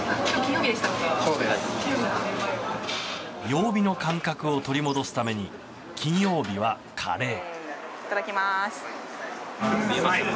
曜日の感覚を取り戻すために金曜日はカレー。